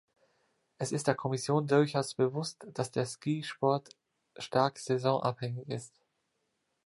Es ist der Kommission durchaus bewusst, dass der Skisport stark saisonabhängig ist.